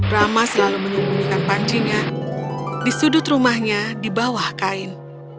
rama selalu menyembunyikan pancinya di sudut rumahnya di bawah kain